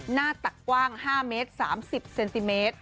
หน้าตักกว้าง๕เมตร๓๐เซนติเมตร